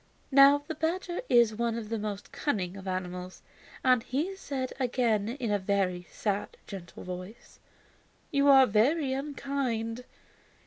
Now, the badger is one of the most cunning of animals, and he said again in a very sad, gentle, voice: "You are very unkind.